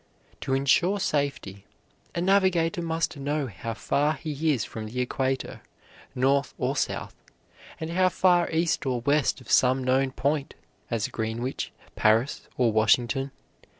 To insure safety, a navigator must know how far he is from the equator, north or south, and how far east or west of some known point, as Greenwich, Paris, or Washington.